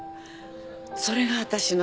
それが私の幸せ。